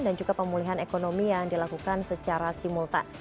dan juga pemulihan ekonomi yang dilakukan secara simultan